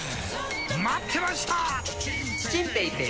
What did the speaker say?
待ってました！